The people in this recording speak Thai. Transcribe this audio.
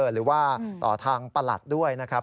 หรือว่าต่อทางประหลัดด้วยนะครับ